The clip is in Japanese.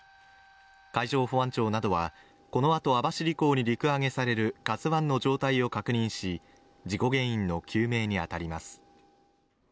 海上保安庁などはこのあと網走港に陸揚げされる「ＫＡＺＵⅠ」の状態を確認し、事故原因の究明に当たります。